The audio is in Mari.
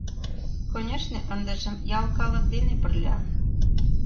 Конешне, ындыжым ял калык дене пырля.